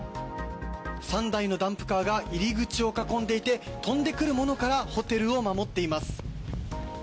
３台のダンプカーが入り口を囲んでいて飛んでくるものからホテルを守っています。